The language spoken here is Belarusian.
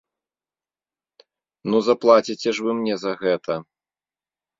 Ну заплаціце ж вы мне за гэта!